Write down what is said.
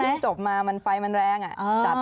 มันพึ่งจบมาไฟมันแรงอ่ะ